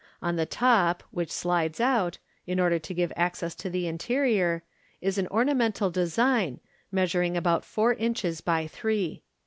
On the top, which slides out, in order to give access to the interior, is an orna mental design, measuring about four inches by three.